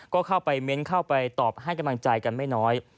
ก็เข้าไปเม้นเข้าไปตอบให้กำลังใจกันไม่น้อย